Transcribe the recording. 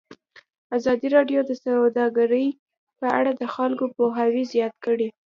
ازادي راډیو د سوداګري په اړه د خلکو پوهاوی زیات کړی.